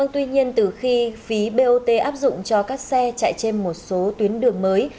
tuy nhiên từ khi phí bot áp dụng cho các xe chạy trên một số tuyến đường mới